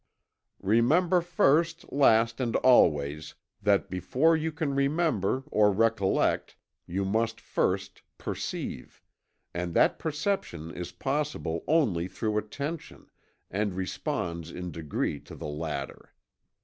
Remember first, last and always, that before you can remember, or recollect, you must first perceive; and that perception is possible only through attention, and responds in degree to the latter.